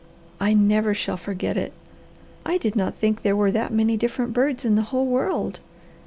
"I never shall forget it. I did not think there were that many different birds in the whole world.